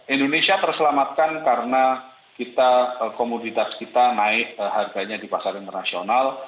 indonesia terselamatkan karena komoditas kita naik harganya di pasar internasional